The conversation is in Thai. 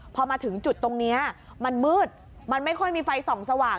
พอมาถึงจุดตรงนี้มันมืดมันไม่ค่อยมีไฟส่องสว่าง